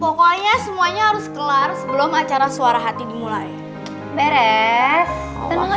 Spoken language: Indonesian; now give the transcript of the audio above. pokoknya semuanya harus kelar sebelum acara suara hati dimulai beres dan memang